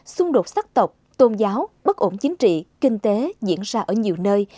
xung đột sắc tộc tôn giáo bất ổn chính trị kinh tế diễn ra ở nhiều nơi